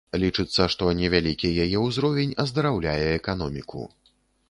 Лічыцца, што невялікі яе ўзровень аздараўляе эканоміку.